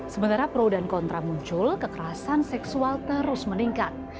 sementara pro dan kontra muncul kekerasan seksual terus meningkat